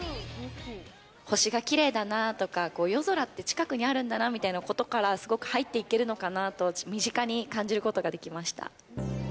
星がきれいだなとか、夜空って近くにあるんだなみたいなことから、すごく入っていけるのかなと、私、身近に感じることができました。